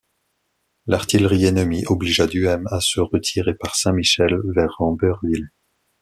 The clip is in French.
L'artillerie ennemie obligea Duhesme à se retirer par Saint-Michel vers Rambervillers.